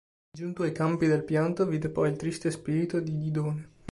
Giunto ai campi del pianto vide poi il triste spirito di Didone.